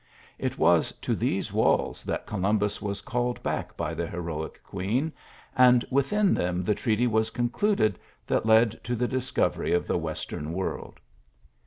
It was to these walls that Columbus was called back by the heroic queen, and within them the treaty was concluded that led to the discovery of the Western World.